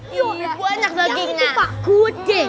iya lebih banyak dagingnya